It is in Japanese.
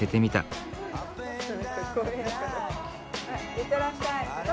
行ってらっしゃい。